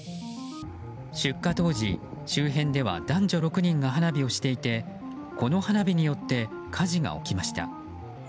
出火当時、周辺では男女６人が花火をしていてこの花火によって火事が起きました。